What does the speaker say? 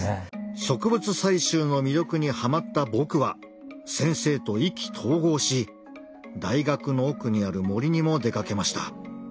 植物採集の魅力にハマった僕は先生と意気投合し大学の奥にある森にも出かけました。